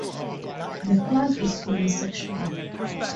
The plant is unisexual.